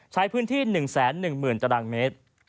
ใช้พื้นที่๑แสน๑หมื่นตระดังเมตร